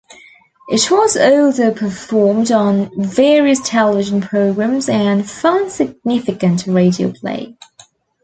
It was also performed on various television programs and found significant radio play.